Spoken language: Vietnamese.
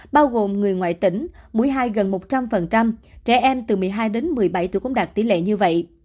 bao gồm người ngoại tỉnh mũi hai gần một trăm linh trẻ em từ một mươi hai đến một mươi bảy tuổi cũng đạt tỷ lệ như vậy